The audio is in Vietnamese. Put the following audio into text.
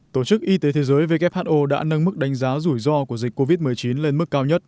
tổ chức y tế thế giới who đã nâng mức đánh giá rủi ro của dịch covid một mươi chín lên mức cao nhất